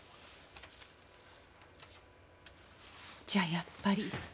じゃあやっぱり。